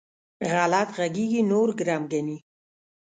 غلط غږېږي؛ نور ګرم ګڼي.